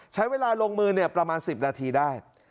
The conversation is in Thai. ใช้เวลาลงมือประมาณ๑๐นาทีได้